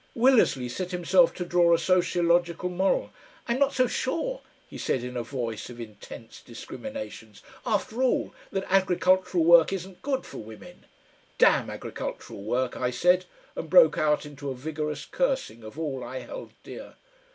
Willersley set himself to draw a sociological moral. "I'm not so sure," he said in a voice of intense discriminations, "after all, that agricultural work isn't good for women." "Damn agricultural work!" I said, and broke out into a vigorous cursing of all I held dear.